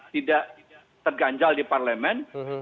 tidak terganjal di parlemen